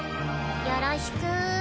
よろしく。